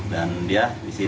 dan dia di sini